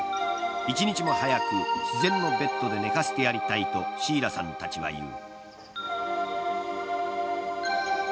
一日も早く、自然のベッドで寝かせてやりたいとシーラさんたちは言う。